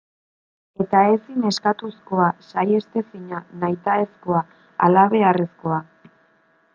Eta ezin eskastuzkoa, saihetsezina, nahitaezkoa, halabeharrezkoa.